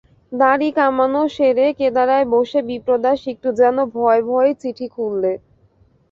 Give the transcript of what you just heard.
দাড়ি-কামানো সেরে কেদারায় বসে বিপ্রদাস একটু যেন ভয়ে ভয়েই চিঠি খুললে।